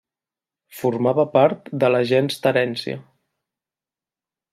Formava part de la gens Terència.